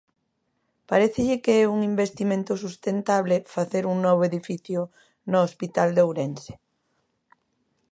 ¿Parécelle que é un investimento sustentable facer un novo edificio no Hospital de Ourense?